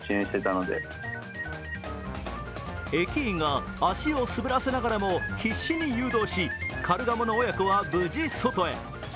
駅員が足を滑らせながらも必死に誘導し、カルガモの親子は無事、外へ。